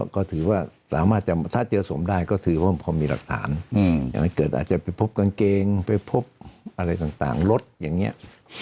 ก็ถือว่าสามารถจะถ้าเจอสมได้ก็คือว่าพอมีหลักฐานเกิดอาจจะไปพบกางเกงไปพบอะไรต่างรถอย่างนี้